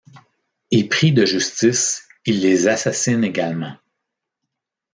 Épris de justice, il les assassine également.